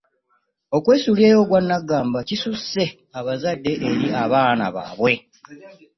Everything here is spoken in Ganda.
Okwesuulirayo ogwa naggamba kususse abazadde eri abaana baabwe.